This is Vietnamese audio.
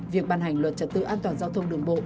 việc ban hành luật trật tự an toàn giao thông đường bộ